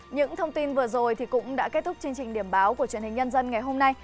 những thông tin vừa rồi cũng đã kết thúc chương trình điểm báo của truyền hình nhân dân ngày hôm nay